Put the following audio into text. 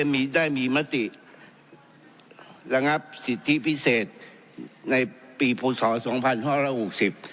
มีได้มีมติระงับสิทธิพิเศษในปีพศสองพันห้าร้อยหกสิบ